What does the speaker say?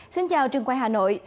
xin chào trường quay hà nội